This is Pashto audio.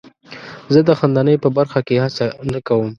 زه د خندنۍ په برخه کې هڅه نه کوم.